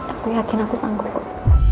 aku yakin aku sanggup